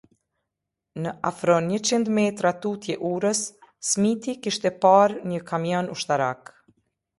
Në afro njëqind metra tutje urës, Smiti kishte parë një kamion ushtarak.